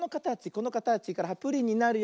このかたちからプリンになるよ。